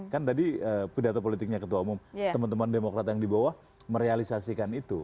kan tadi pidato politiknya ketua umum teman teman demokrat yang di bawah merealisasikan itu